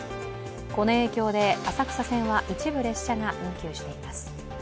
この影響で、浅草線は一部列車が運休しています。